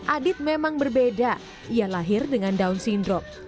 adit memang berbeda ia lahir dengan down syndrome